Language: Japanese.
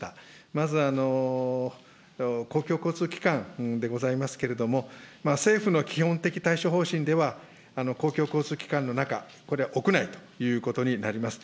まず公共交通機関でございますけれども、政府の基本的対処方針では、公共交通機関の中、これは屋内ということになります。